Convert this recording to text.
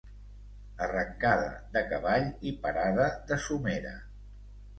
Arrancada de cavall i parada de somera.